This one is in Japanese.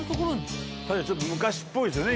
確かにちょっと昔っぽいですよね。